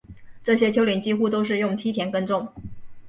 这些丘陵几乎都是用梯田耕种